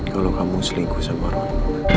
kalau kamu selingkuh sama orang